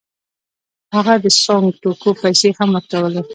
هغه د سونګ توکو پیسې هم ورکولې.